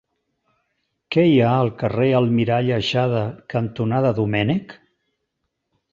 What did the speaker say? Què hi ha al carrer Almirall Aixada cantonada Domènech?